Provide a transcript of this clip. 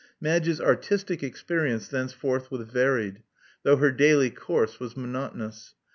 Madge's artistic experience thenceforth was varied, though her daily course was monotonous.